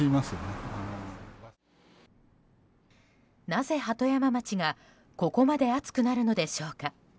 なぜ鳩山町がここまで暑くなるのでしょうか。